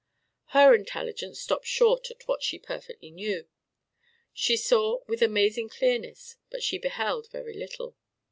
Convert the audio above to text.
Her intelligence stopped short at what she perfectly knew. She saw with amazing clearness, but she beheld very little.